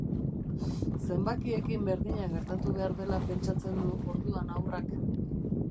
Zenbakiekin berdina gertatu behar dela pentsatzen du orduan haurrak.